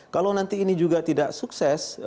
kalau nanti ini juga tidak sukses